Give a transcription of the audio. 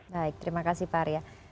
baik terima kasih pak arya